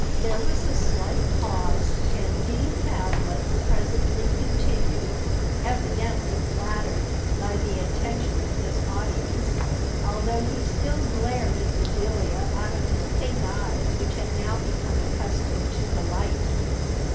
There was a slight pause and D. Tablet presently continued, evidently flattered by the attention of his audience, although he still glared at Bedelia out of his pink eyes which had now become accustomed to the sunlight.